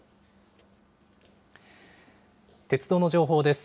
鉄道の情報です。